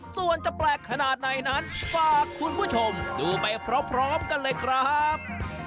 ส่วนจะแปลกขนาดไหนนั้นฝากคุณผู้ชมดูไปพร้อมกันเลยครับ